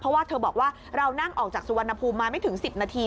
เพราะว่าเธอบอกว่าเรานั่งออกจากสุวรรณภูมิมาไม่ถึง๑๐นาที